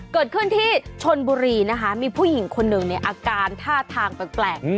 เกิดขึ้นที่ชนบุรีนะคะมีผู้หญิงคนหนึ่งเนี่ยอาการท่าทางแปลก